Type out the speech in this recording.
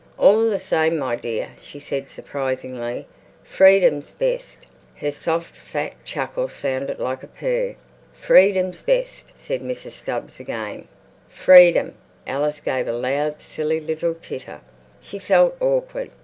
"All the same, my dear," she said surprisingly, "freedom's best!" Her soft, fat chuckle sounded like a purr. "Freedom's best," said Mrs. Stubbs again. Freedom! Alice gave a loud, silly little titter. She felt awkward.